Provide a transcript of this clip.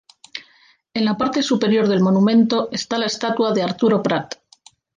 En la parte superior del monumento está la estatua de Arturo Prat.